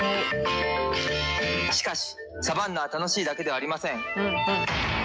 しかしサバンナは楽しいだけではありません。